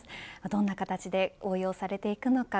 どんな形で応用されていくのか